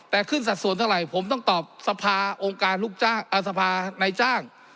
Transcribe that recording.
แต่ขึ้นสัดส่วนเท่าไหร่ผมต้องตอบสภาในจ้าง